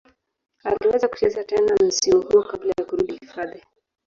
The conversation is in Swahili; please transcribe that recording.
Aliweza kucheza tena msimu huo kabla ya kurudi hifadhi.